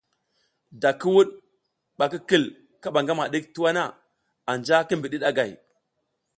Da ki wuɗ bak i kil kaɓa ngama ɗik tuwa na, anja ki bidi ɗagay.